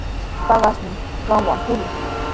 Paqaspami qamwan purii.